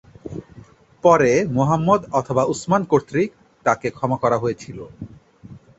পরে মুহাম্মদ অথবা উসমান কর্তৃক তাকে ক্ষমা করা হয়েছিল।